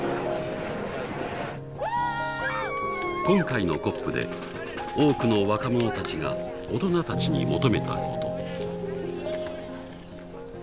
今回のＣＯＰで多くの若者たちが大人たちに求めたこと。